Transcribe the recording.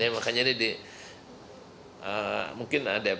makanya ini mungkin ada